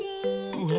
うわ。